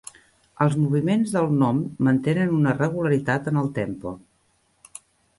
Els moviments del gnom mantenen una regularitat en el tempo.